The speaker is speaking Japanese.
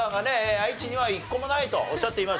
愛知には１個もないとおっしゃっていました。